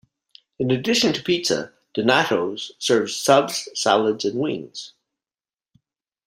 In addition to pizza, Donatos serves subs, salads, and wings.